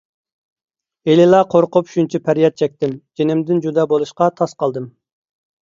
ھېلىلا قورقۇپ شۇنچە پەرياد چەكتىم، جېنىمدىن جۇدا بولۇشقا تاس قالدىم.